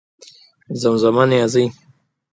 زمزمه نيازۍ